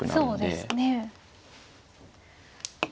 そうですね。